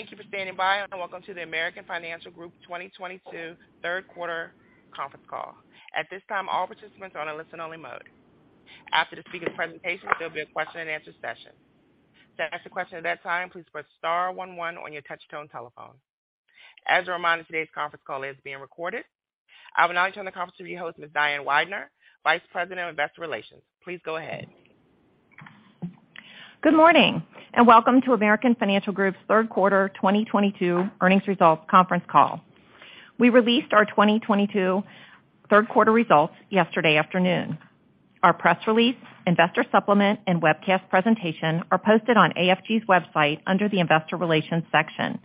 Thank you for standing by. Welcome to the American Financial Group 2022 Third Quarter Conference Call. At this time, all participants are in a listen-only mode. After the speaker presentation, there'll be a question-and-answer session. To ask a question at that time, please press star one one on your touchtone telephone. As a reminder, today's conference call is being recorded. I will now turn the conference over to your host, Ms. Diane Weidner, Vice President of Investor Relations. Please go ahead. Good morning and welcome to American Financial Group's Third Quarter 2022 Earnings Results Conference Call. We released our 2022 third quarter results yesterday afternoon. Our press release, investor supplement, and webcast presentation are posted on AFG's website under the investor relations section.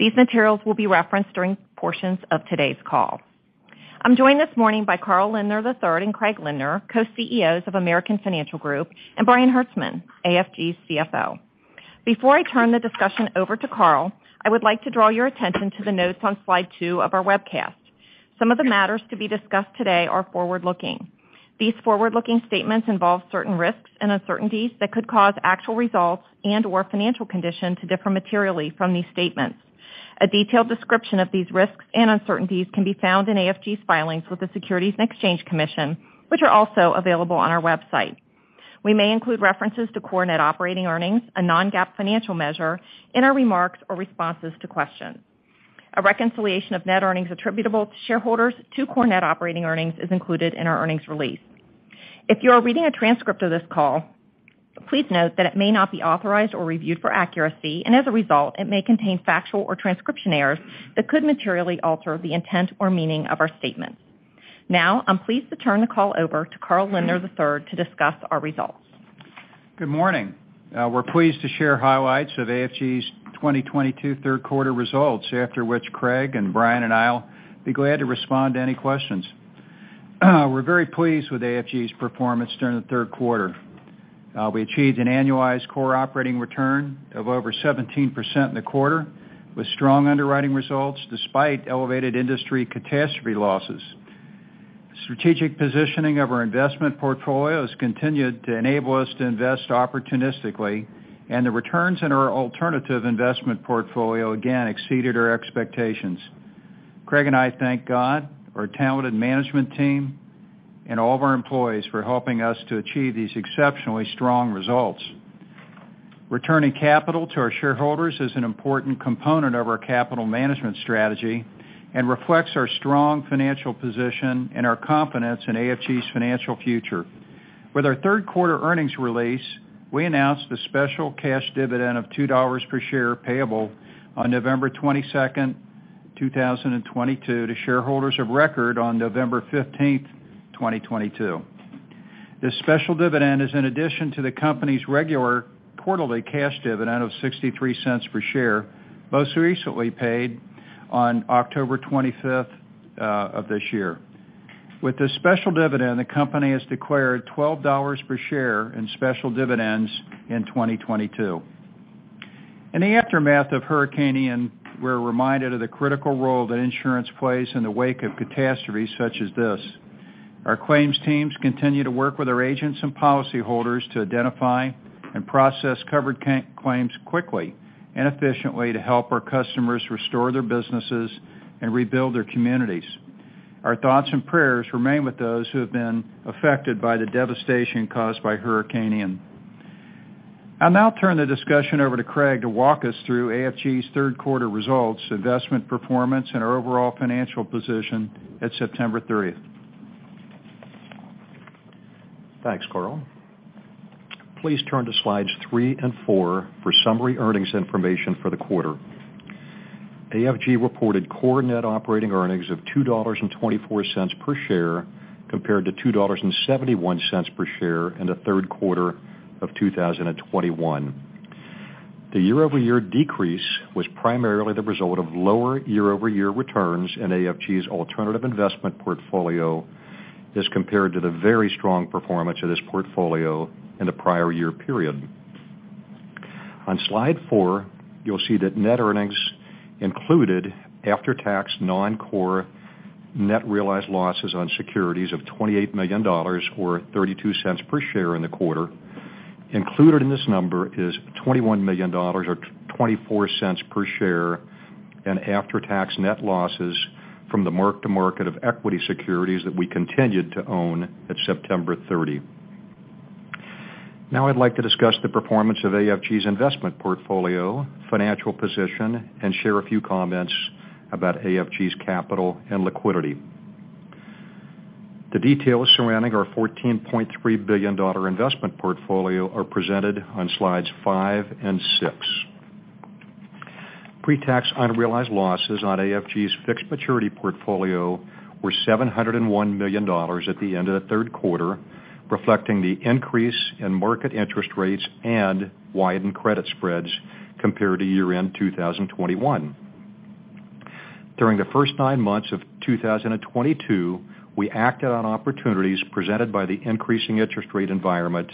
These materials will be referenced during portions of today's call. I'm joined this morning by Carl Lindner III and Craig Lindner, Co-CEOs of American Financial Group, and Brian Hertzman, AFG's CFO. Before I turn the discussion over to Carl, I would like to draw your attention to the notes on slide two of our webcast. Some of the matters to be discussed today are forward-looking. These forward-looking statements involve certain risks and uncertainties that could cause actual results and/or financial condition to differ materially from these statements. A detailed description of these risks and uncertainties can be found in AFG's filings with the Securities and Exchange Commission, which are also available on our website. We may include references to core net operating earnings, a non-GAAP financial measure, in our remarks or responses to questions. A reconciliation of net earnings attributable to shareholders to core net operating earnings is included in our earnings release. If you are reading a transcript of this call, please note that it may not be authorized or reviewed for accuracy, and as a result, it may contain factual or transcription errors that could materially alter the intent or meaning of our statements. Now, I'm pleased to turn the call over to Carl Lindner III to discuss our results. Good morning. We're pleased to share highlights of AFG's 2022 third quarter results, after which Craig and Brian and I will be glad to respond to any questions. We're very pleased with AFG's performance during the third quarter. We achieved an annualized core operating return of over 17% in the quarter, with strong underwriting results despite elevated industry catastrophe losses. Strategic positioning of our investment portfolio has continued to enable us to invest opportunistically, and the returns in our alternative investment portfolio, again, exceeded our expectations. Craig and I thank God, our talented management team, and all of our employees for helping us to achieve these exceptionally strong results. Returning capital to our shareholders is an important component of our capital management strategy and reflects our strong financial position and our confidence in AFG's financial future. With our third quarter earnings release, we announced a special cash dividend of $2 per share payable on November 22nd, 2022 to shareholders of record on November 15th, 2022. This special dividend is in addition to the company's regular quarterly cash dividend of $0.63 per share, most recently paid on October 25th of this year. With this special dividend, the company has declared $12 per share in special dividends in 2022. In the aftermath of Hurricane Ian, we're reminded of the critical role that insurance plays in the wake of catastrophes such as this. Our claims teams continue to work with our agents and policyholders to identify and process covered claims quickly and efficiently to help our customers restore their businesses and rebuild their communities. Our thoughts and prayers remain with those who have been affected by the devastation caused by Hurricane Ian. I'll now turn the discussion over to Craig to walk us through AFG's third quarter results, investment performance, and our overall financial position at September 30th. Thanks, Carl. Please turn to slides three and four for summary earnings information for the quarter. AFG reported core net operating earnings of $2.24 per share, compared to $2.71 per share in the third quarter of 2021. The year-over-year decrease was primarily the result of lower year-over-year returns in AFG's alternative investment portfolio as compared to the very strong performance of this portfolio in the prior year period. On slide four, you'll see that net earnings included after-tax non-core net realized losses on securities of $28 million, or $0.32 per share in the quarter. Included in this number is $21 million or $0.24 per share in after-tax net losses from the mark-to-market of equity securities that we continued to own at September 30. Now I'd like to discuss the performance of AFG's investment portfolio, financial position, and share a few comments about AFG's capital and liquidity. The details surrounding our $14.3 billion investment portfolio are presented on slides five and six. Pre-tax unrealized losses on AFG's fixed maturity portfolio were $701 million at the end of the third quarter, reflecting the increase in market interest rates and widened credit spreads compared to year-end 2021. During the first nine months of 2022, we acted on opportunities presented by the increasing interest rate environment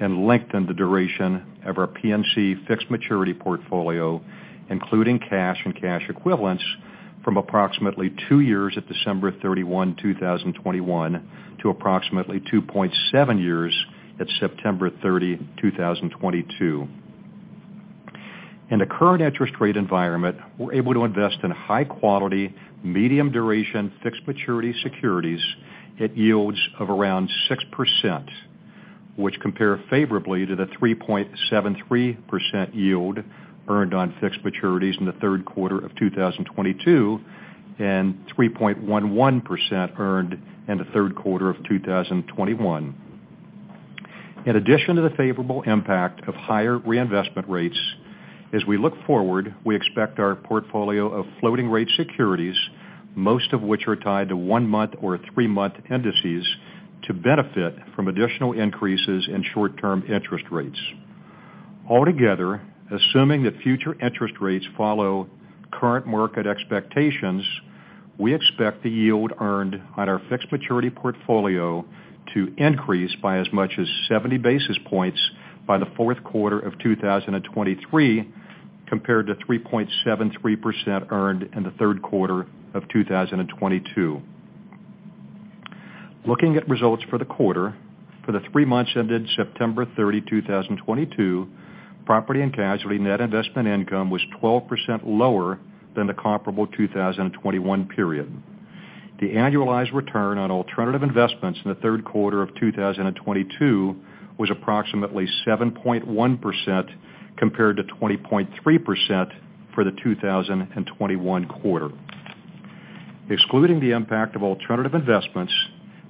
and lengthened the duration of our P&C fixed maturity portfolio, including cash and cash equivalents from approximately two years at December 31, 2021 to approximately 2.7 years at September 30, 2022. In the current interest rate environment, we're able to invest in high quality, medium duration, fixed maturity securities at yields of around 6%, which compare favorably to the 3.73% yield earned on fixed maturities in the third quarter of 2022 and 3.11% earned in the third quarter of 2021. In addition to the favorable impact of higher reinvestment rates, as we look forward, we expect our portfolio of floating rate securities, most of which are tied to one-month or three-month indices, to benefit from additional increases in short-term interest rates. Altogether, assuming that future interest rates follow current market expectations, we expect the yield earned on our fixed maturity portfolio to increase by as much as 70 basis points by the fourth quarter of 2023 compared to 3.73% earned in the third quarter of 2022. Looking at results for the quarter, for the three months ended September 30, 2022, Property and Casualty net investment income was 12% lower than the comparable 2021 period. The annualized return on alternative investments in the third quarter of 2022 was approximately 7.1% compared to 20.3% for the 2021 quarter. Excluding the impact of alternative investments,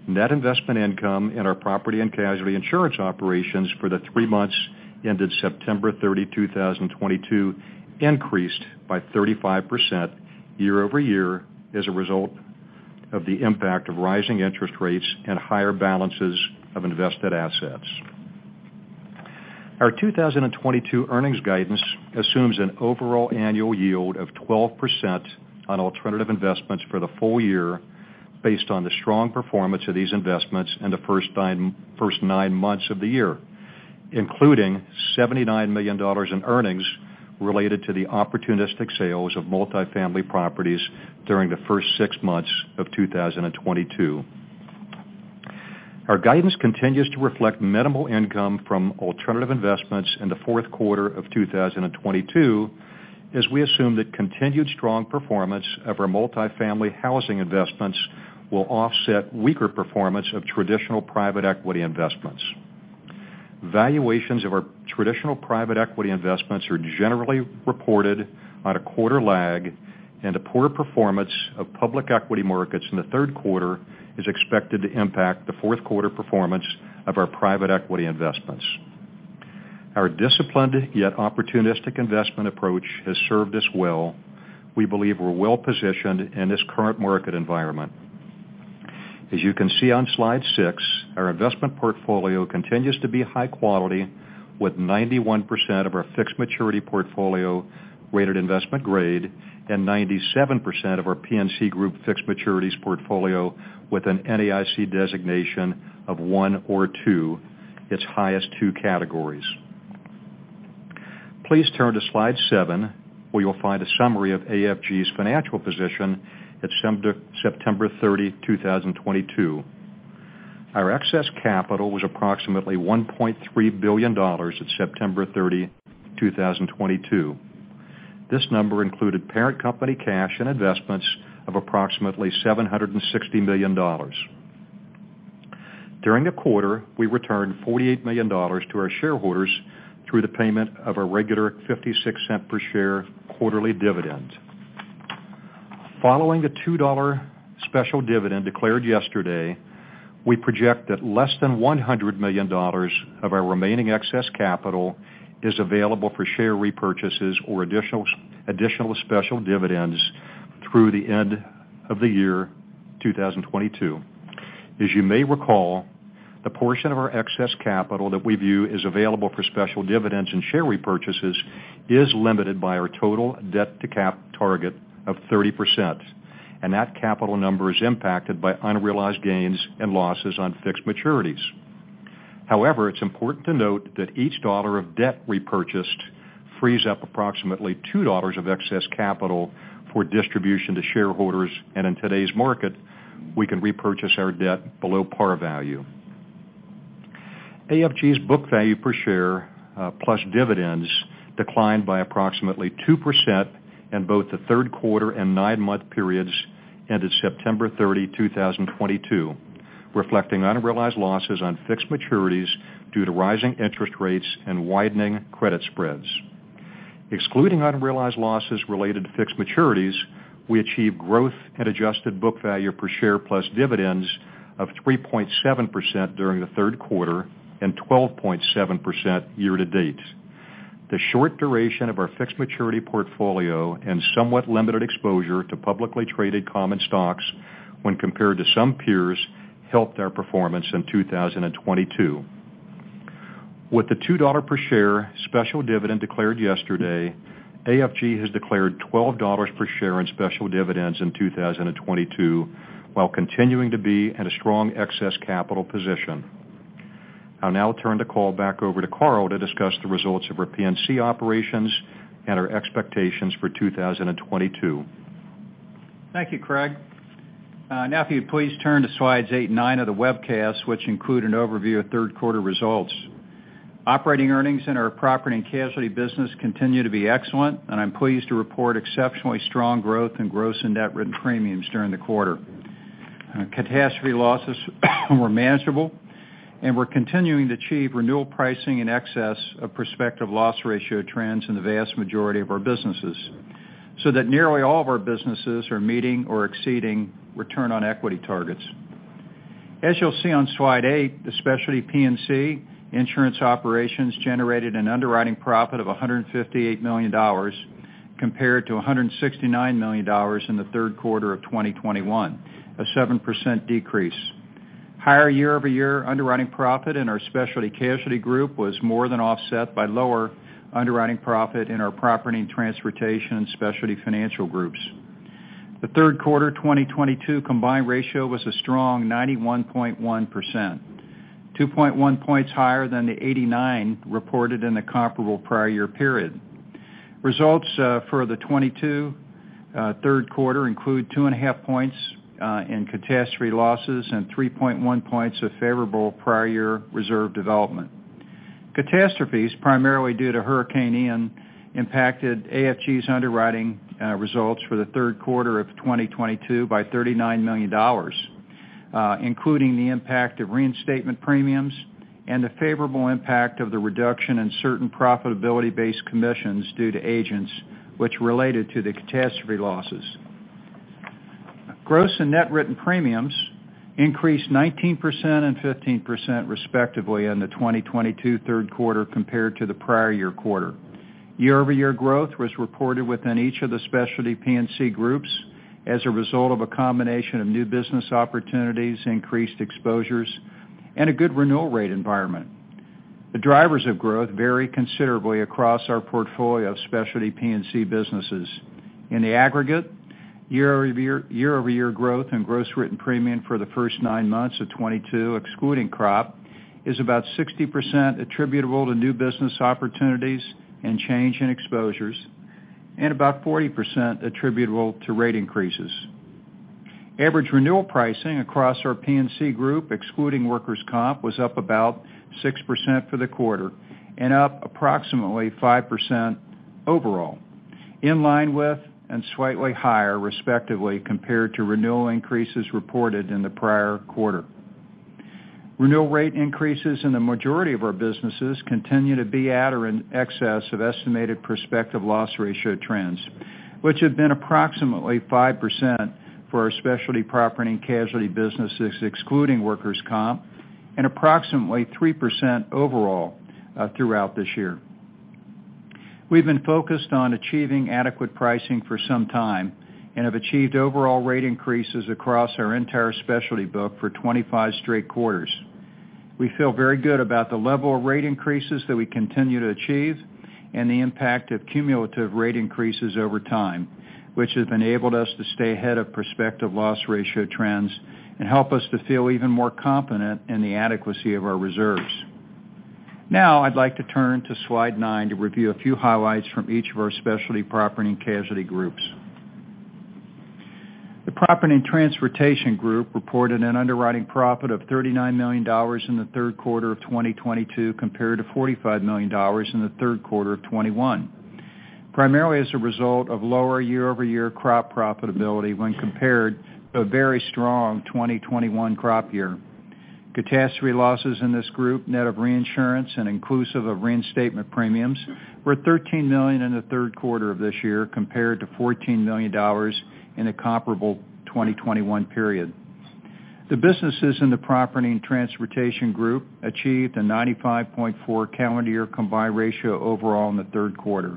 net investment income in our Property and Casualty insurance operations for the three months ended September 30, 2022 increased by 35% year-over-year as a result of the impact of rising interest rates and higher balances of invested assets. Our 2022 earnings guidance assumes an overall annual yield of 12% on alternative investments for the full year based on the strong performance of these investments in the first nine months of the year. Including $79 million in earnings related to the opportunistic sales of multifamily properties during the first six months of 2022. Our guidance continues to reflect minimal income from alternative investments in the fourth quarter of 2022 as we assume that continued strong performance of our multifamily housing investments will offset weaker performance of traditional private equity investments. Valuations of our traditional private equity investments are generally reported on a quarter lag, and the poor performance of public equity markets in the third quarter is expected to impact the fourth quarter performance of our private equity investments. Our disciplined yet opportunistic investment approach has served us well. We believe we're well-positioned in this current market environment. As you can see on slide six, our investment portfolio continues to be high quality, with 91% of our fixed maturity portfolio rated investment-grade and 97% of our P&C group fixed maturities portfolio with an NAIC designation of one or two, its highest two categories. Please turn to slide seven, where you'll find a summary of AFG's financial position at September 30, 2022. Our excess capital was approximately $1.3 billion at September 30, 2022. This number included parent company cash and investments of approximately $760 million. During the quarter, we returned $48 million to our shareholders through the payment of a regular $0.56 per share quarterly dividend. Following a $2 special dividend declared yesterday, we project that less than $100 million of our remaining excess capital is available for share repurchases or additional special dividends through the end of 2022. As you may recall, the portion of our excess capital that we view is available for special dividends and share repurchases is limited by our total debt-to-capital target of 30%, and that capital number is impacted by unrealized gains and losses on fixed maturities. However, it's important to note that each dollar of debt repurchased frees up approximately two dollars of excess capital for distribution to shareholders. In today's market, we can repurchase our debt below par value. AFG's book value per share plus dividends declined by approximately 2% in both the third quarter and nine-month periods ended September 30, 2022, reflecting unrealized losses on fixed maturities due to rising interest rates and widening credit spreads. Excluding unrealized losses related to fixed maturities, we achieved growth at adjusted book value per share, plus dividends of 3.7% during the third quarter and 12.7% year to date. The short duration of our fixed maturity portfolio and somewhat limited exposure to publicly traded common stocks when compared to some peers helped our performance in 2022. With the $2 per share special dividend declared yesterday, AFG has declared $12 per share in special dividends in 2022 while continuing to be in a strong excess capital position. I'll now turn the call back over to Carl to discuss the results of our P&C operations and our expectations for 2022. Thank you, Craig. Now if you'd please turn to slides eight and nine of the webcast, which include an overview of third quarter results. Operating earnings in our Property and Casualty business continue to be excellent, and I'm pleased to report exceptionally strong growth in gross and net written premiums during the quarter. Catastrophe losses were manageable, and we're continuing to achieve renewal pricing in excess of prospective loss ratio trends in the vast majority of our businesses, so that nearly all of our businesses are meeting or exceeding return on equity targets. As you'll see on slide eight, the specialty P&C insurance operations generated an underwriting profit of $158 million compared to $169 million in the third quarter of 2021, a 7% decrease. Higher year-over-year underwriting profit in our Specialty Casualty Group was more than offset by lower underwriting profit in our Property and Transportation Group and Specialty Financial Group. The third quarter 2022 combined ratio was a strong 91.1%, 2.1 points higher than the 89% reported in the comparable prior year period. Results for the 2022 third quarter include 2.5 points in catastrophe losses and 3.1 points of favorable prior year reserve development. Catastrophes, primarily due to Hurricane Ian, impacted AFG's underwriting results for the third quarter of 2022 by $39 million, including the impact of reinstatement premiums and the favorable impact of the reduction in certain profitability-based commissions due to agents which related to the catastrophe losses. Gross and net written premiums increased 19% and 15% respectively in the 2022 third quarter compared to the prior year quarter. Year-over-year growth was reported within each of the specialty P&C groups as a result of a combination of new business opportunities, increased exposures, and a good renewal rate environment. The drivers of growth vary considerably across our portfolio of specialty P&C businesses. In the aggregate, year-over-year growth in gross written premium for the first nine months of 2022, excluding crop, is about 60% attributable to new business opportunities and change in exposures, and about 40% attributable to rate increases. Average renewal pricing across our P&C group, excluding workers' comp, was up about 6% for the quarter and up approximately 5% overall, in line with and slightly higher respectively compared to renewal increases reported in the prior quarter. Renewal rate increases in the majority of our businesses continue to be at or in excess of estimated prospective loss ratio trends, which have been approximately 5% for our Specialty Property and Casualty businesses, excluding workers' comp, and approximately 3% overall, throughout this year. We've been focused on achieving adequate pricing for some time and have achieved overall rate increases across our entire specialty book for 25 straight quarters. We feel very good about the level of rate increases that we continue to achieve and the impact of cumulative rate increases over time, which has enabled us to stay ahead of prospective loss ratio trends and help us to feel even more confident in the adequacy of our reserves. Now I'd like to turn to slide nine to review a few highlights from each of our Specialty Property and Casualty groups. The Property and Transportation Group reported an underwriting profit of $39 million in the third quarter of 2022 compared to $45 million in the third quarter of 2021, primarily as a result of lower year-over-year crop profitability when compared to a very strong 2021 crop year. Catastrophe losses in this group, net of reinsurance and inclusive of reinstatement premiums, were $13 million in the third quarter of this year compared to $14 million in the comparable 2021 period. The businesses in the Property and Transportation Group achieved a 95.4 calendar year combined ratio overall in the third quarter,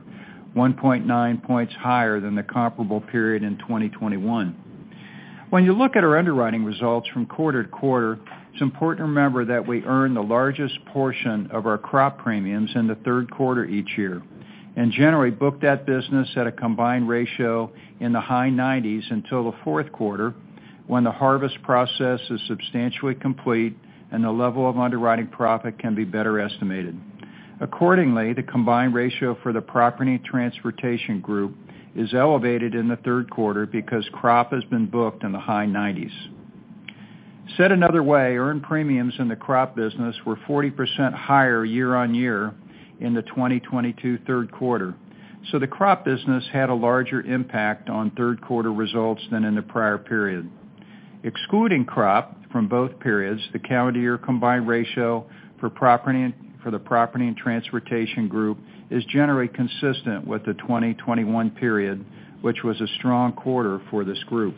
1.9 points higher than the comparable period in 2021. When you look at our underwriting results from quarter to quarter, it's important to remember that we earn the largest portion of our crop premiums in the third quarter each year, and generally book that business at a combined ratio in the high 90s until the fourth quarter, when the harvest process is substantially complete and the level of underwriting profit can be better estimated. Accordingly, the combined ratio for the Property and Transportation Group is elevated in the third quarter because crop has been booked in the high 90s. Said another way, earned premiums in the crop business were 40% higher year-on-year in the 2022 third quarter, so the crop business had a larger impact on third quarter results than in the prior period. Excluding crop from both periods, the calendar year combined ratio for the Property and Transportation Group is generally consistent with the 2021 period, which was a strong quarter for this group.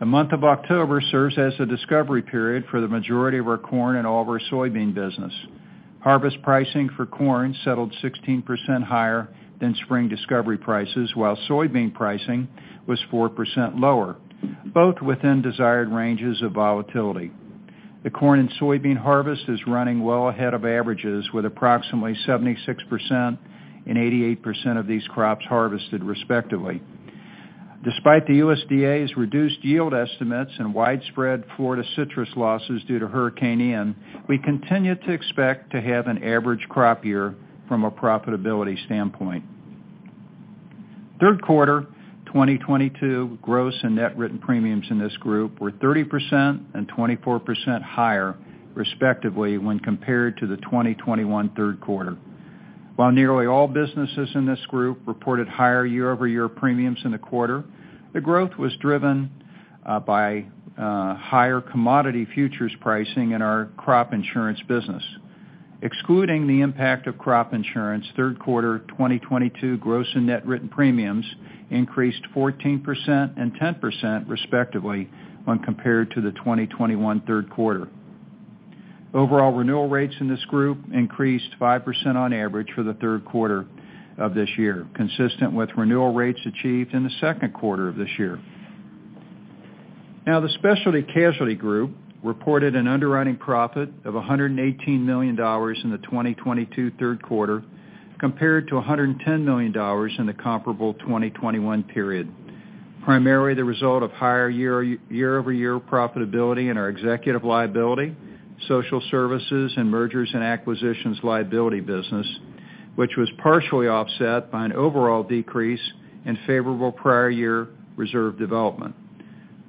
The month of October serves as the discovery period for the majority of our corn and all of our soybean business. Harvest pricing for corn settled 16% higher than spring discovery prices, while soybean pricing was 4% lower, both within desired ranges of volatility. The corn and soybean harvest is running well ahead of averages, with approximately 76% and 88% of these crops harvested respectively. Despite the USDA's reduced yield estimates and widespread Florida citrus losses due to Hurricane Ian, we continue to expect to have an average crop year from a profitability standpoint. Third quarter 2022 gross and net written premiums in this group were 30% and 24% higher, respectively, when compared to the 2021 third quarter. While nearly all businesses in this group reported higher year-over-year premiums in the quarter, the growth was driven by higher commodity futures pricing in our crop insurance business. Excluding the impact of crop insurance, third quarter 2022 gross and net written premiums increased 14% and 10%, respectively, when compared to the 2021 third quarter. Overall renewal rates in this group increased 5% on average for the third quarter of this year, consistent with renewal rates achieved in the second quarter of this year. The Specialty Casualty Group reported an underwriting profit of $118 million in the 2022 third quarter compared to $110 million in the comparable 2021 period, primarily the result of higher year-over-year profitability in our executive liability, social services, and mergers and acquisitions liability business, which was partially offset by an overall decrease in favorable prior year reserve development.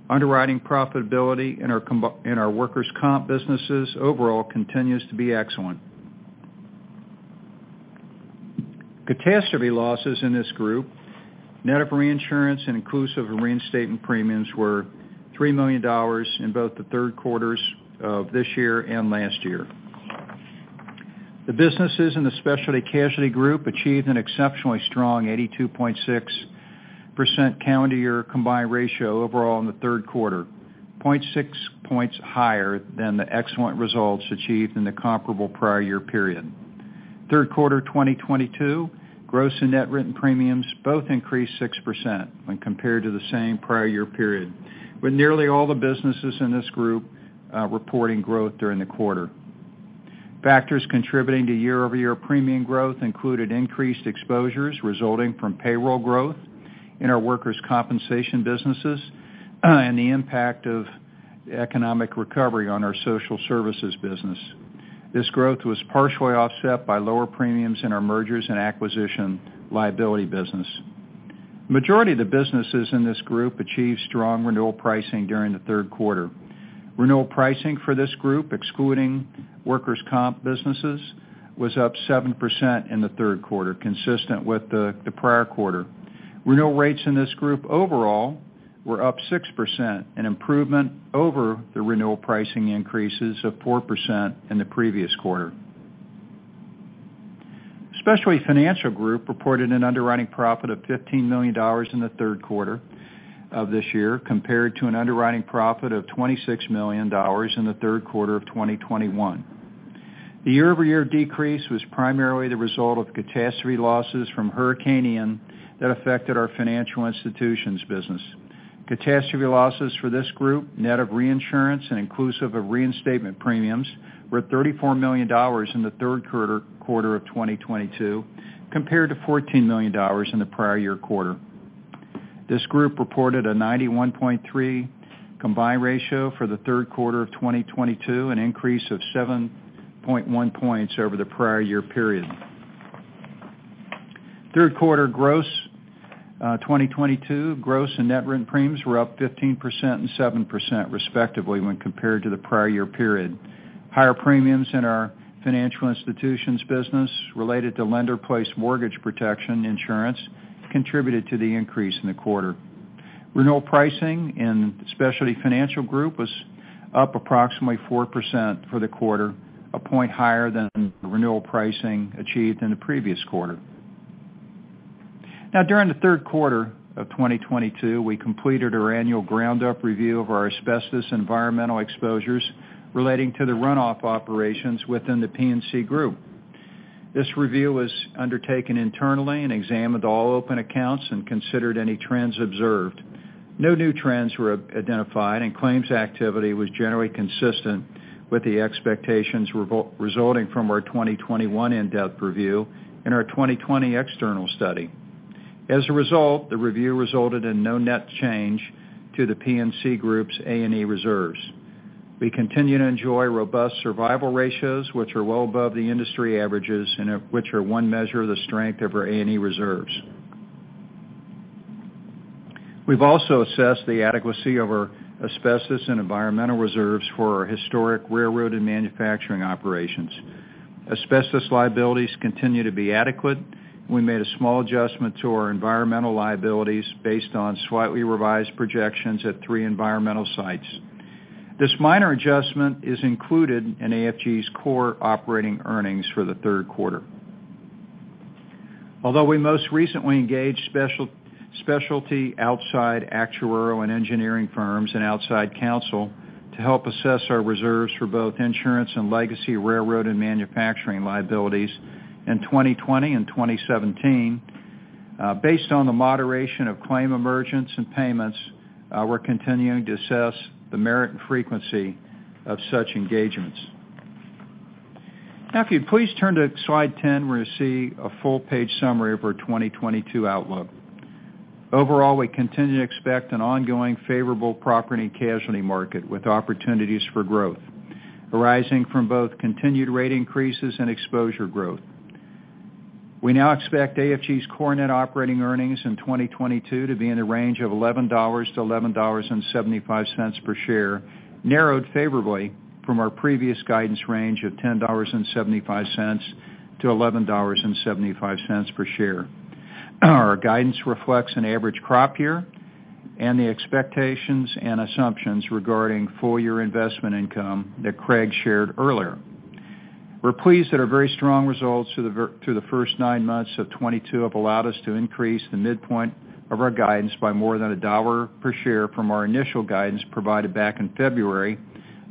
Underwriting profitability in our workers' comp businesses overall continues to be excellent. Catastrophe losses in this group, net of reinsurance and inclusive of reinstatement premiums, were $3 million in both the third quarters of this year and last year. The businesses in the Specialty Casualty Group achieved an exceptionally strong 82.6% calendar year combined ratio overall in the third quarter, 0.6 points higher than the excellent results achieved in the comparable prior year period. Third quarter 2022 gross and net written premiums both increased 6% when compared to the same prior year period, with nearly all the businesses in this group reporting growth during the quarter. Factors contributing to year-over-year premium growth included increased exposures resulting from payroll growth in our workers' compensation businesses and the impact of economic recovery on our social services business. This growth was partially offset by lower premiums in our mergers and acquisitions liability business. Majority of the businesses in this group achieved strong renewal pricing during the third quarter. Renewal pricing for this group, excluding workers' comp businesses, was up 7% in the third quarter, consistent with the prior quarter. Renewal rates in this group overall were up 6%, an improvement over the renewal pricing increases of 4% in the previous quarter. Specialty Financial Group reported an underwriting profit of $15 million in the third quarter of this year compared to an underwriting profit of $26 million in the third quarter of 2021. The year-over-year decrease was primarily the result of catastrophe losses from Hurricane Ian that affected our financial institutions business. Catastrophe losses for this group, net of reinsurance and inclusive of reinstatement premiums, were $34 million in the third quarter of 2022 compared to $14 million in the prior year quarter. This group reported a 91.3% combined ratio for the third quarter of 2022, an increase of 7.1 points over the prior year period. Third quarter gross 2022 gross and net written premiums were up 15% and 7% respectively when compared to the prior year period. Higher premiums in our financial institutions business related to lender-placed mortgage protection insurance contributed to the increase in the quarter. Renewal pricing in Specialty Financial Group was up approximately 4% for the quarter, a point higher than renewal pricing achieved in the previous quarter. During the third quarter of 2022, we completed our annual ground-up review of our asbestos and environmental exposures relating to the runoff operations within the P&C group. This review was undertaken internally and examined all open accounts and considered any trends observed. No new trends were identified, and claims activity was generally consistent with the expectations resulting from our 2021 in-depth review and our 2020 external study. As a result, the review resulted in no net change to the P&C group's A&E reserves. We continue to enjoy robust survival ratios, which are well above the industry averages and of which are one measure of the strength of our A&E reserves. We've also assessed the adequacy of our asbestos and environmental reserves for our historic railroad and manufacturing operations. Asbestos liabilities continue to be adequate. We made a small adjustment to our environmental liabilities based on slightly revised projections at three environmental sites. This minor adjustment is included in AFG's core operating earnings for the third quarter. Although we most recently engaged specialty outside actuarial and engineering firms and outside counsel to help assess our reserves for both insurance and legacy railroad and manufacturing liabilities in 2020 and 2017, based on the moderation of claim emergence and payments, we're continuing to assess the merit and frequency of such engagements. Now, if you'd please turn to slide 10 where you see a full page summary of our 2022 outlook. Overall, we continue to expect an ongoing favorable property and casualty market with opportunities for growth arising from both continued rate increases and exposure growth. We now expect AFG's core net operating earnings in 2022 to be in the range of $11-$11.75 per share, narrowed favorably from our previous guidance range of $10.75-$11.75 per share. Our guidance reflects an average crop year and the expectations and assumptions regarding full year investment income that Craig shared earlier. We're pleased that our very strong results through the first nine months of 2022 have allowed us to increase the midpoint of our guidance by more than $1 per share from our initial guidance provided back in February,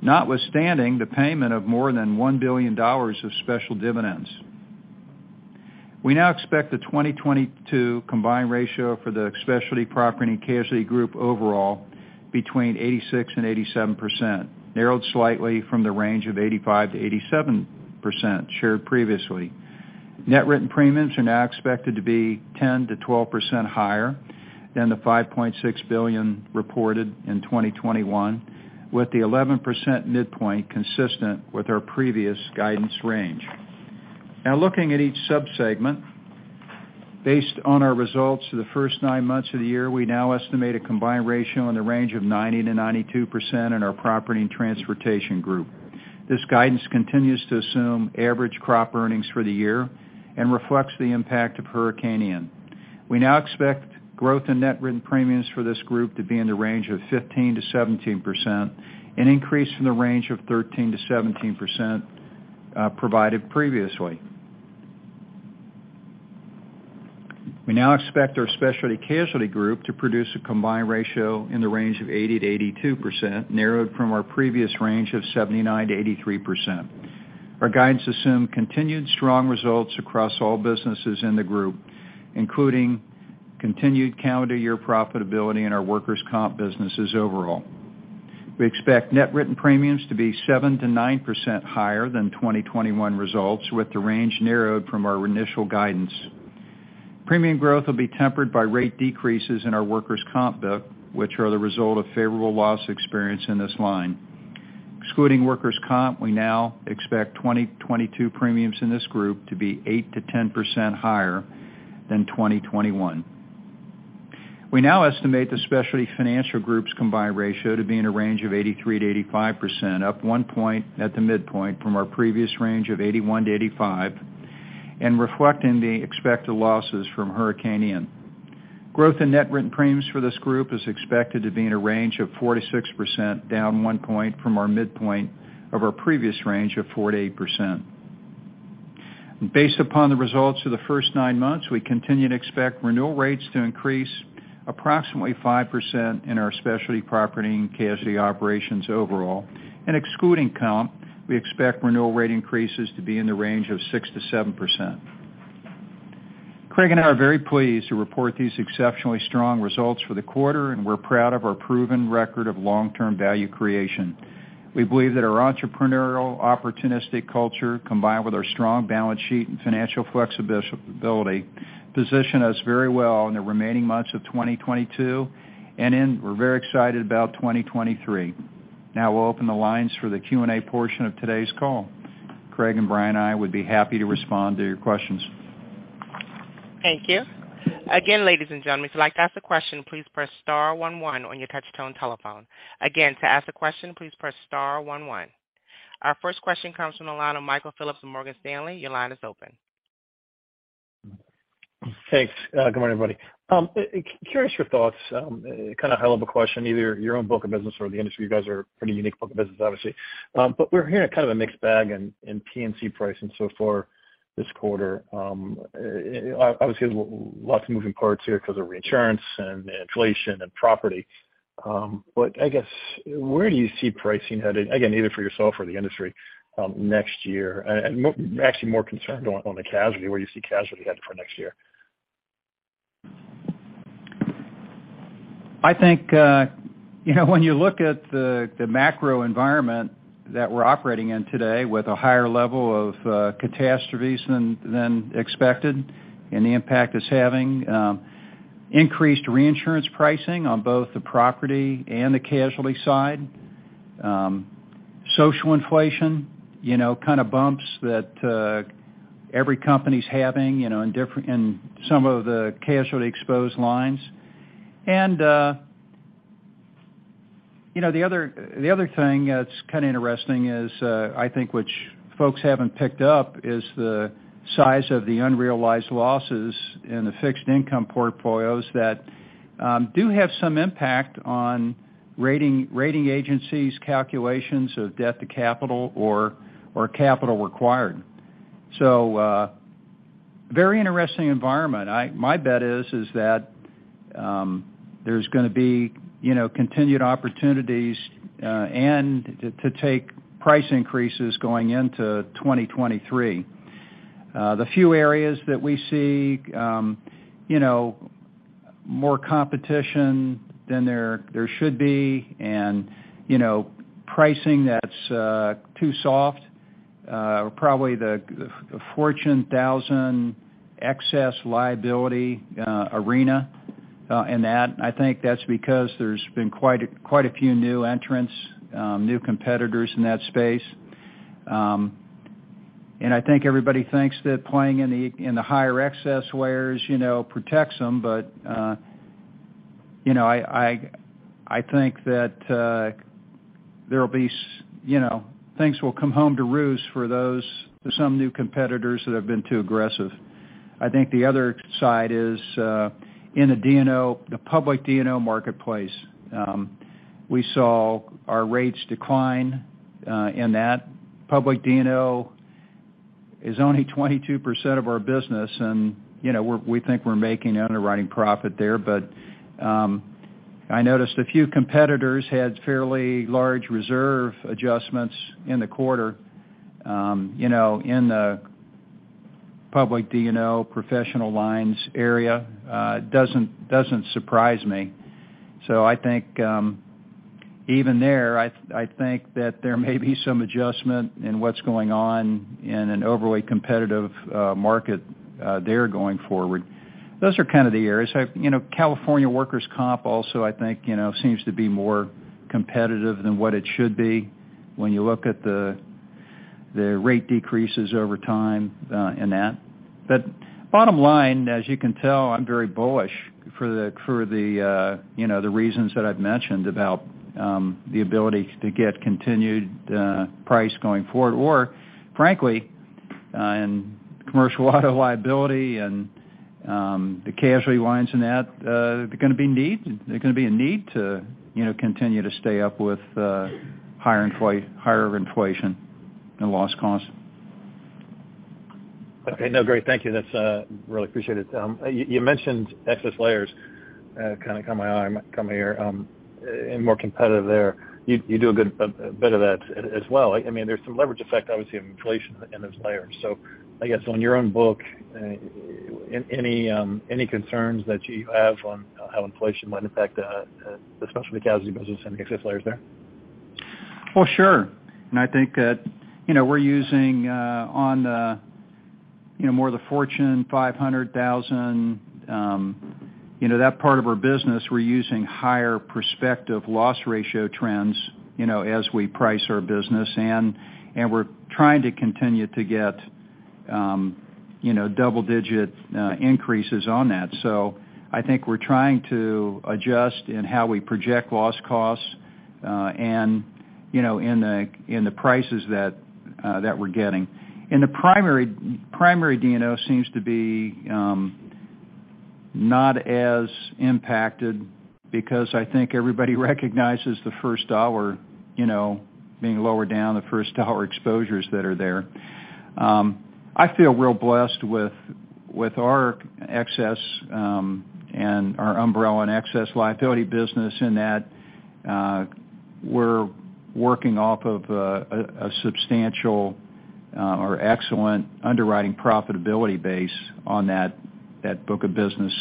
notwithstanding the payment of more than $1 billion of special dividends. We now expect the 2022 combined ratio for the specialty property and casualty group overall between 86% and 87%, narrowed slightly from the range of 85%-87% shared previously. Net written premiums are now expected to be 10%-12% higher than the $5.6 billion reported in 2021, with the 11% midpoint consistent with our previous guidance range. Now looking at each sub-segment. Based on our results for the first nine months of the year, we now estimate a combined ratio in the range of 90%-92% in our Property and Transportation Group. This guidance continues to assume average crop earnings for the year and reflects the impact of Hurricane Ian. We now expect growth in net written premiums for this group to be in the range of 15%-17%, an increase from the range of 13%-17% provided previously. We now expect our Specialty Casualty Group to produce a combined ratio in the range of 80%-82%, narrowed from our previous range of 79%-83%. Our guidance assume continued strong results across all businesses in the group, including continued calendar year profitability in our workers' comp businesses overall. We expect net written premiums to be 7%-9% higher than 2021 results, with the range narrowed from our initial guidance. Premium growth will be tempered by rate decreases in our workers' comp book, which are the result of favorable loss experience in this line. Excluding workers' comp, we now expect 2022 premiums in this group to be 8%-10% higher than 2021. We now estimate the Specialty Financial Group's combined ratio to be in a range of 83%-85%, up one point at the midpoint from our previous range of 81%-85%, and reflecting the expected losses from Hurricane Ian. Growth in net written premiums for this group is expected to be in a range of 4%-6%, down one point from our midpoint of our previous range of 4%-8%. Based upon the results of the first nine months, we continue to expect renewal rates to increase approximately 5% in our specialty property and casualty operations overall. Excluding comp, we expect renewal rate increases to be in the range of 6%-7%. Craig and I are very pleased to report these exceptionally strong results for the quarter, and we're proud of our proven record of long-term value creation. We believe that our entrepreneurial, opportunistic culture, combined with our strong balance sheet and financial flexibility, position us very well in the remaining months of 2022, and we're very excited about 2023. Now we'll open the lines for the Q&A portion of today's call. Craig and Brian and I would be happy to respond to your questions. Thank you. Again, ladies and gentlemen, if you'd like to ask a question, please press star one one on your touch-tone telephone. Again, to ask a question, please press star one one. Our first question comes from the line of Michael Phillips from Morgan Stanley. Your line is open. Thanks. Good morning, everybody. Curious your thoughts, kinda hell of a question, either your own book of business or the industry. You guys are pretty unique book of business, obviously. But we're hearing a kind of a mixed bag in P&C pricing so far this quarter. Obviously lots of moving parts here 'cause of reinsurance and inflation and property. But I guess where do you see pricing headed, again, either for yourself or the industry, next year? Actually more concerned on the casualty, where you see casualty headed for next year. I think, you know, when you look at the macro environment that we're operating in today with a higher level of catastrophes than expected and the impact it's having, increased reinsurance pricing on both the property and the casualty side, social inflation, you know, kind of bumps that every company's having, you know, in some of the casualty exposed lines. You know, the other thing that's kind of interesting is, I think which folks haven't picked up, is the size of the unrealized losses in the fixed income portfolios that do have some impact on rating agencies' calculations of debt-to-capital or capital required. Very interesting environment. My bet is that there's gonna be, you know, continued opportunities and to take price increases going into 2023. The few areas that we see, you know, more competition than there should be, and, you know, pricing that's too soft, probably the Fortune 1000 excess liability arena in that. I think that's because there's been quite a few new entrants, new competitors in that space. And I think everybody thinks that playing in the higher excess layers, you know, protects them. You know, I think that there'll be, you know, things will come home to roost for some new competitors that have been too aggressive. I think the other side is in the D&O, the public D&O marketplace, we saw our rates decline in that. Public D&O is only 22% of our business and, you know, we think we're making underwriting profit there. I noticed a few competitors had fairly large reserve adjustments in the quarter, you know, in the public D&O professional lines area. It doesn't surprise me. I think even there, I think that there may be some adjustment in what's going on in an overly competitive market there going forward. Those are kind of the areas. You know, California workers' comp also, I think, you know, seems to be more competitive than what it should be when you look at the rate decreases over time in that. Bottom line, as you can tell, I'm very bullish for the, you know, the reasons that I've mentioned about the ability to get continued price going forward, or frankly, in commercial auto liability and the casualty lines in that, there's gonna be a need to, you know, continue to stay up with higher inflation and loss costs. Okay. Oh, great. Thank you. I really appreciate it. You mentioned excess layers kind of caught my eye, might become more competitive there. You do a good bit of that as well. I mean, there's some leverage effect, obviously of inflation in those layers. I guess on your own book, any concerns that you have on how inflation might affect especially the casualty business and the excess layers there? Well, sure. I think that, you know, we're using on, you know, more of the Fortune 1000, you know, that part of our business, we're using higher prospective loss ratio trends, you know, as we price our business. We're trying to continue to get, you know, double digit increases on that. I think we're trying to adjust in how we project loss costs, and, you know, in the prices that we're getting. In the primary D&O seems to be not as impacted because I think everybody recognizes the first dollar, you know, being lower down the first dollar exposures that are there. I feel real blessed with our excess and our umbrella and excess liability business in that we're working off of a substantial or excellent underwriting profitability base on that book of business.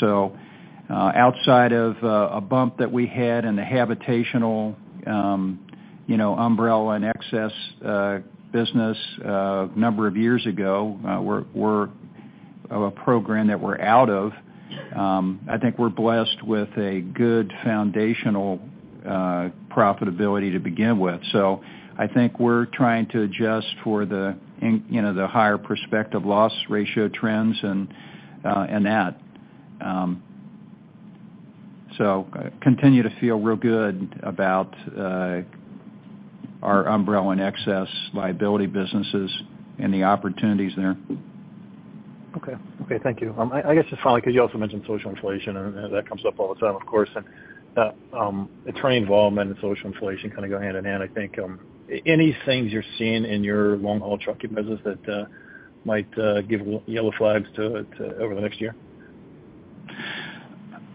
Outside of a bump that we had in the habitational you know umbrella and excess business number of years ago, we're of a program that we're out of. I think we're blessed with a good foundational profitability to begin with. I think we're trying to adjust for the you know higher prospective loss ratio trends and that. Continue to feel real good about our umbrella and excess liability businesses and the opportunities there. Okay. Okay, thank you. I guess just finally, 'cause you also mentioned social inflation and that comes up all the time, of course. Attorney involvement and social inflation kind of go hand in hand, I think. Any things you're seeing in your long haul trucking business that might give yellow flags to over the next year?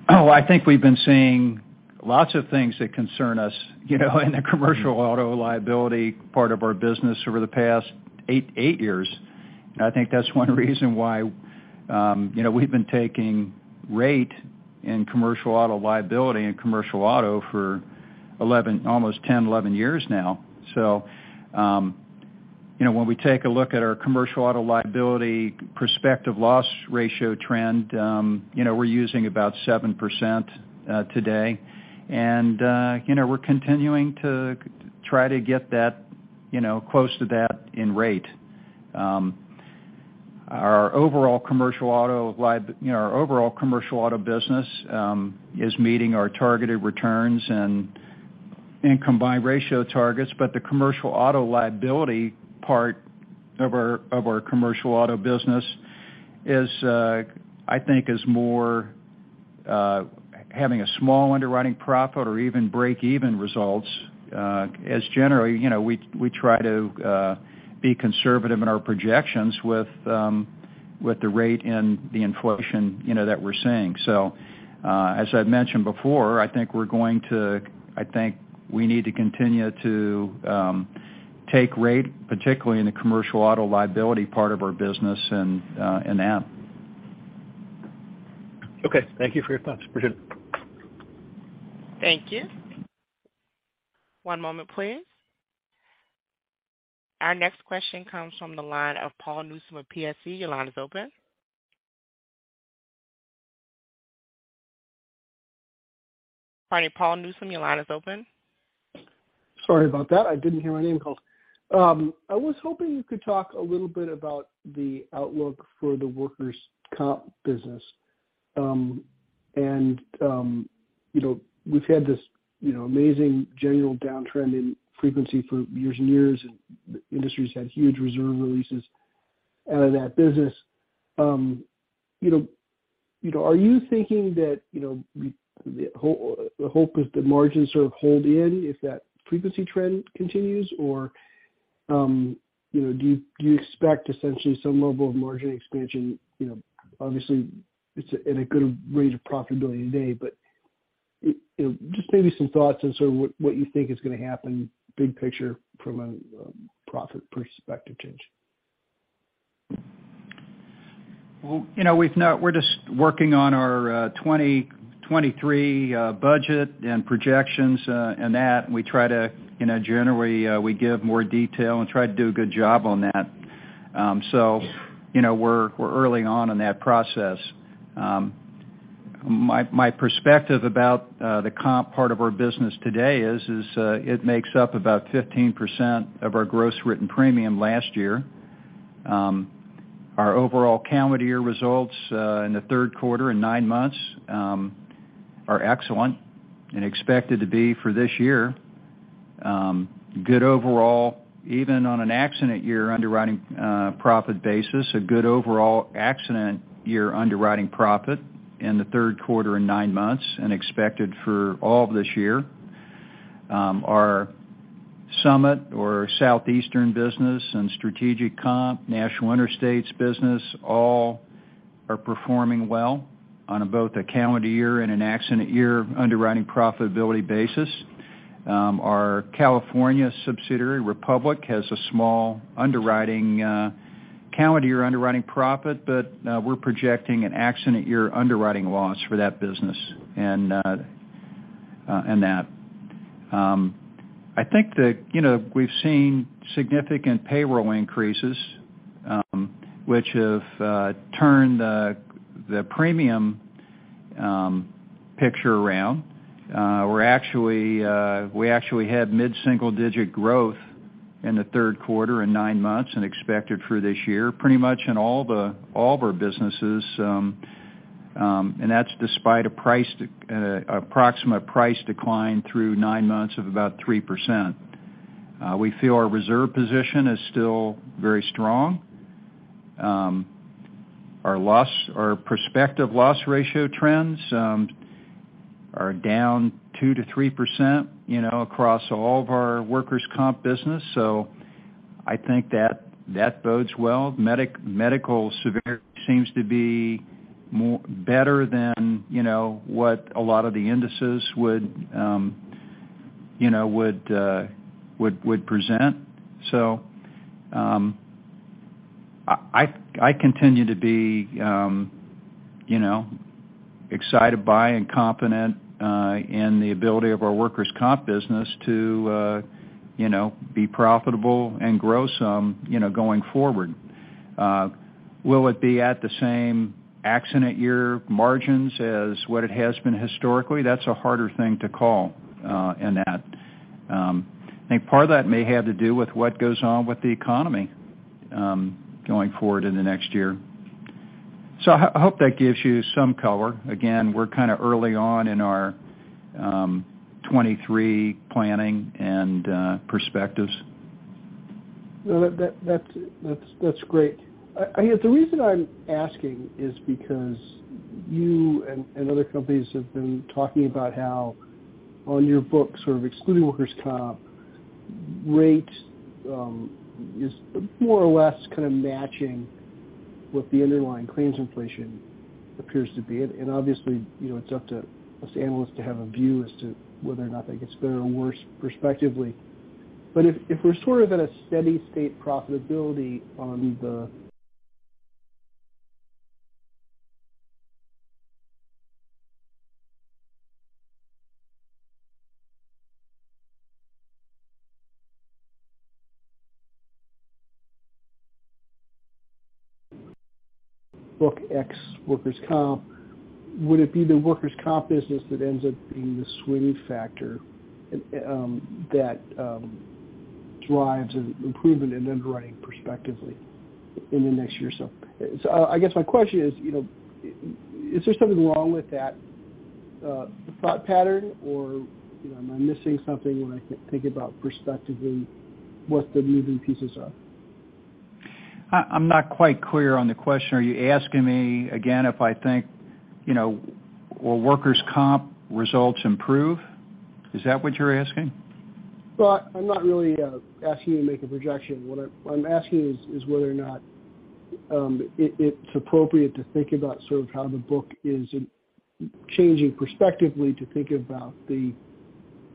Oh, I think we've been seeing lots of things that concern us, you know, in the commercial auto liability part of our business over the past eight years. I think that's one reason why, you know, we've been taking rate in commercial auto liability and commercial auto for almost 10, 11 years now. You know, when we take a look at our commercial auto liability prospective loss ratio trend, you know, we're using about 7%, today. You know, we're continuing to try to get that, you know, close to that in rate. Our overall commercial auto business, you know, is meeting our targeted returns and combined ratio targets. The commercial auto liability part of our commercial auto business is I think is more having a small underwriting profit or even break-even results, as generally, you know, we try to be conservative in our projections with the rate and the inflation, you know, that we're seeing. As I've mentioned before, I think we need to continue to take rate, particularly in the commercial auto liability part of our business and that. Okay, thank you for your thoughts, appreciate it. Thank you. One moment please. Our next question comes from the line of Paul Newsome of Piper Sandler. Your line is open. Sorry, Paul Newsome, your line is open. Sorry about that. I didn't hear my name called. I was hoping you could talk a little bit about the outlook for the workers' comp business. You know, we've had this, you know, amazing general downtrend in frequency for years and years, and the industry's had huge reserve releases out of that business. You know, are you thinking that, you know, the hope is that margins sort of hold in if that frequency trend continues? You know, do you expect essentially some level of margin expansion? You know, obviously, it's in a good range of profitability today, but, you know, just maybe some thoughts on sort of what you think is gonna happen, big picture from a profit perspective change. Well, you know, we're just working on our 2023 budget and projections, and that, and we try to, you know, generally, we give more detail and try to do a good job on that. You know, we're early on in that process. My perspective about the comp part of our business today is it makes up about 15% of our gross written premium last year. Our overall calendar year results in the third quarter and nine months are excellent and expected to be for this year. Good overall, even on an accident year underwriting profit basis, a good overall accident year underwriting profit in the third quarter and nine months and expected for all of this year. Our Summit or Southeastern business and Strategic Comp, National Interstate's business all are performing well on both a calendar year and an accident year underwriting profitability basis. Our California subsidiary, Republic, has a small calendar year underwriting profit, but we're projecting an accident year underwriting loss for that business and that. I think that, you know, we've seen significant payroll increases, which have turned the premium picture around. We actually had mid-single digit growth in the third quarter and nine months and expected through this year, pretty much in all of our businesses. That's despite an approximate price decline through nine months of about 3%. We feel our reserve position is still very strong. Our prospective loss ratio trends are down 2%-3%, you know, across all of our workers' comp business. I think that bodes well. Medical severity seems to be better than what a lot of the indices would present. I continue to be, you know, excited by and confident in the ability of our workers' comp business to, you know, be profitable and grow some, you know, going forward. Will it be at the same accident year margins as what it has been historically? That's a harder thing to call in that. I think part of that may have to do with what goes on with the economy going forward in the next year. I hope that gives you some color. Again, we're kinda early on in our 2023 planning and perspectives. No. That's great. I guess the reason I'm asking is because you and other companies have been talking about how on your books, sort of excluding workers' comp, rate is more or less kind of matching what the underlying claims inflation appears to be. Obviously, you know, it's up to us analysts to have a view as to whether or not that gets better or worse prospectively. If we're sort of at a steady state profitability on the book ex workers' comp, would it be the workers' comp business that ends up being the swing factor that drives an improvement in underwriting prospectively in the next year or so? I guess my question is, you know, is there something wrong with that thought pattern or, you know, am I missing something when I think about prospectively what the moving pieces are? I'm not quite clear on the question. Are you asking me again if I think, you know, will workers' comp results improve? Is that what you're asking? Well, I'm not really asking you to make a projection. What I'm asking is whether or not it's appropriate to think about sort of how the book is changing prospectively to think about the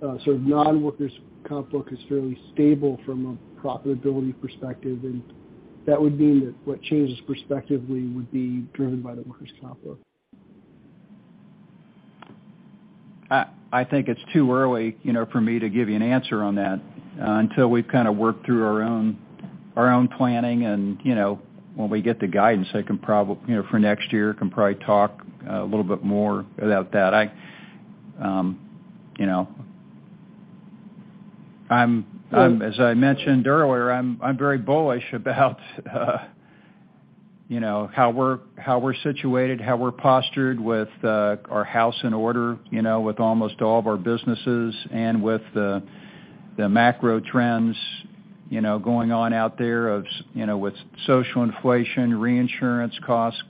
non-workers' comp book is fairly stable from a profitability perspective, and that would mean that what changes prospectively would be driven by the workers' comp book. I think it's too early, you know, for me to give you an answer on that until we've kinda worked through our own planning and, you know, when we get the guidance, I can probably talk a little bit more about that for next year. I, you know, I'm, as I mentioned earlier, I'm very bullish about, you know, how we're situated, how we're postured with our house in order, you know, with almost all of our businesses and with the macro trends, you know, going on out there, you know, with social inflation, reinsurance costs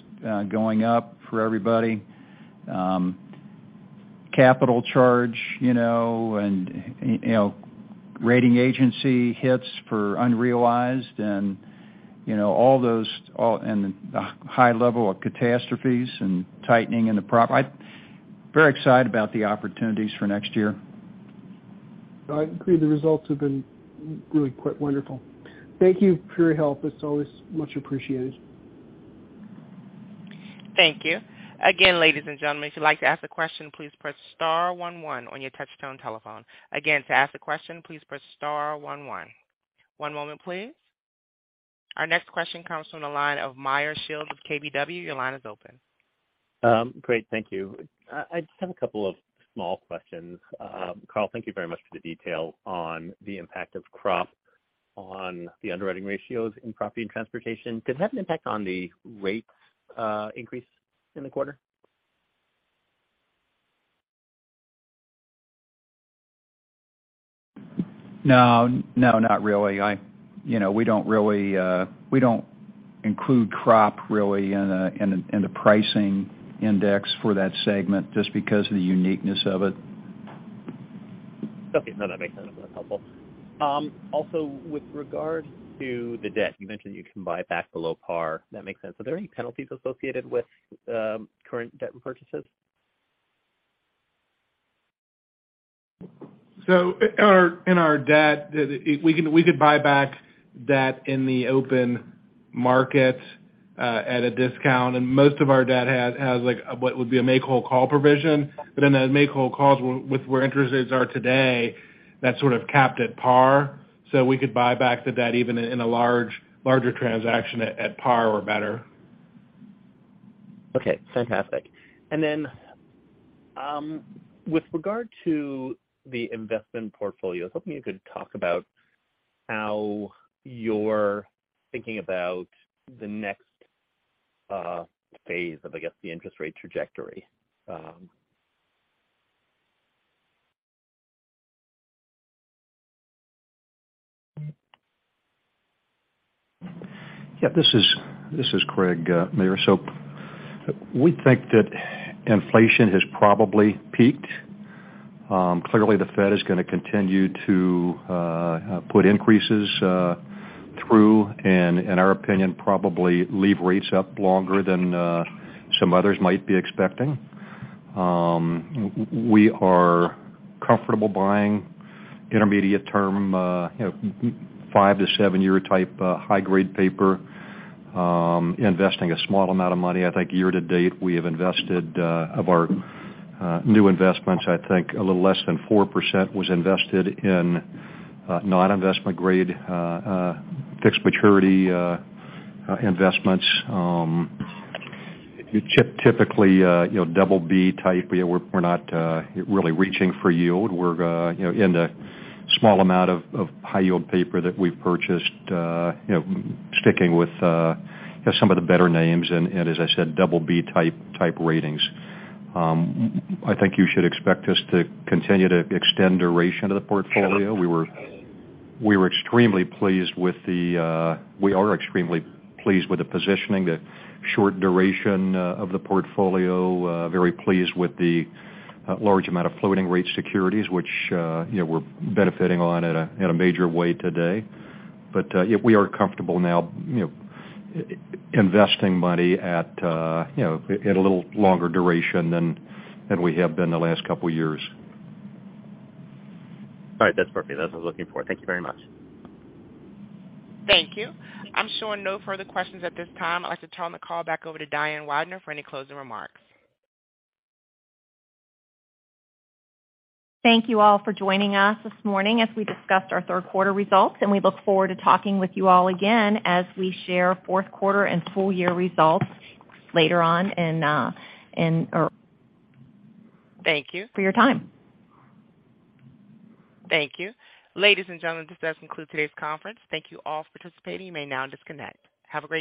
going up for everybody, capital charge, you know, and rating agency hits for unrealized and, you know, all those and the high level of catastrophes and tightening in the prop. I'm very excited about the opportunities for next year. I agree. The results have been really quite wonderful. Thank you for your help. It's always much appreciated. Thank you. Again, ladies and gentlemen, if you'd like to ask a question, please press star one one on your touchtone telephone. Again, to ask a question, please press star one one. One moment, please. Our next question comes from the line of Meyer Shields of KBW. Your line is open. Great. Thank you. I just have a couple of small questions. Carl, thank you very much for the detail on the impact of crop on the underwriting ratios in Property and Transportation. Did it have an impact on the rate increase in the quarter? No, not really. You know, we don't include crop really in the pricing index for that segment just because of the uniqueness of it. Okay. No, that makes sense. That's helpful. Also, with regard to the debt, you mentioned you can buy back below par. That makes sense. Are there any penalties associated with current debt repurchases? In our debt, we could buy back debt in the open market at a discount, and most of our debt has, like, what would be a make-whole call provision. In the make-whole calls given where interest rates are today, that's sort of capped at par. We could buy back the debt even in a larger transaction at par or better. Okay. Fantastic. With regard to the investment portfolio, I was hoping you could talk about how you're thinking about the next phase of, I guess, the interest rate trajectory. Yeah. This is Craig, Meyer. We think that inflation has probably peaked. Clearly the Fed is gonna continue to put increases through, and in our opinion, probably leave rates up longer than some others might be expecting. We are comfortable buying intermediate-term, you know, five to seven-year type, high-grade paper, investing a small amount of money. I think year to date, we have invested of our new investments, I think a little less than 4% was invested in non-investment grade fixed maturity investments, typically, you know, BB type. You know, we're not really reaching for yield. We're you know in the small amount of high yield paper that we've purchased you know sticking with some of the better names and as I said BB type ratings. I think you should expect us to continue to extend duration of the portfolio. We are extremely pleased with the positioning the short duration of the portfolio very pleased with the large amount of floating-rate securities which you know we're benefiting on at a major way today. We are comfortable now you know investing money at you know at a little longer duration than we have been the last couple years. All right. That's perfect. That's what I was looking for. Thank you very much. Thank you. I'm showing no further questions at this time. I'd like to turn the call back over to Diane Weidner for any closing remarks. Thank you all for joining us this morning as we discussed our third quarter results, and we look forward to talking with you all again as we share fourth quarter and full year results later on. Thank you. For your time. Thank you. Ladies and gentlemen, this does conclude today's conference. Thank you all for participating. You may now disconnect. Have a great day.